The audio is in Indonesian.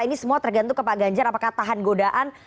ini semua tergantung ke pak ganjar apakah tahan godaan